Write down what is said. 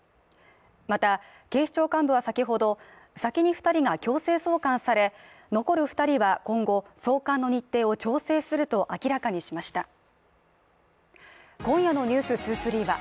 また警視庁幹部は先ほど先に二人が強制送還され残る二人は今後送還の日程を調整すると明らかにしましたあっ！！